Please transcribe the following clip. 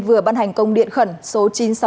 vừa ban hành công điện khẩn số chín trăm sáu mươi tám